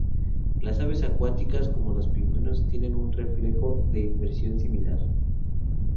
Las aves acuáticas, como los pingüinos, tienen un reflejo de inmersión similar.